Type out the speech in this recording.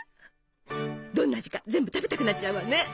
どんな味か全部食べたくなっちゃうわね。